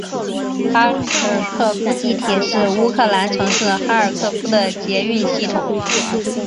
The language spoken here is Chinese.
哈尔科夫地铁是乌克兰城市哈尔科夫的捷运系统。